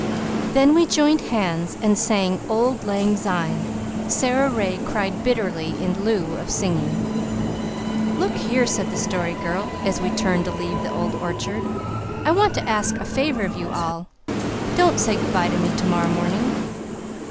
Then we joined hands and sang "Auld Lang Syne." Sara Ray cried bitterly in lieu of singing. "Look here," said the Story Girl, as we turned to leave the old orchard, "I want to ask a favour of you all. Don't say good bye to me tomorrow morning."